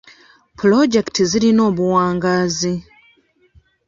Puloojekiti zirina obuwangaazi.